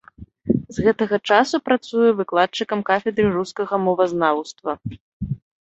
З гэтага часу працуе выкладчыкам кафедры рускага мовазнаўства.